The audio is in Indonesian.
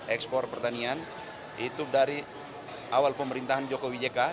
ekspor pertanian itu dari awal pemerintahan joko widjeka